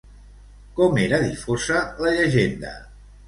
Com era difosa la llegenda?